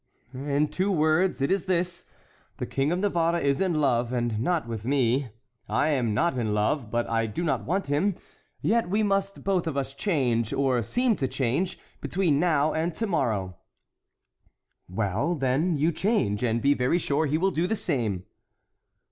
"In two words, it is this: The King of Navarre is in love, and not with me; I am not in love, but I do not want him, yet we must both of us change, or seem to change, between now and to morrow." "Well, then, you change, and be very sure he will do the same."